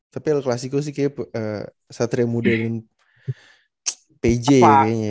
tapi el clasico sih kayaknya satria muda dan pj kayaknya